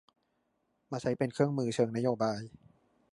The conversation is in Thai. มาใช้เป็นเครื่องมือเชิงนโยบาย